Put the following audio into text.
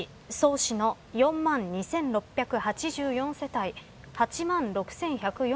曽於市の４万２６８４世帯８万６１４４人。